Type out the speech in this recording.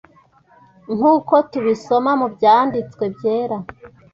nkuko tubisoma mu byanditswe byera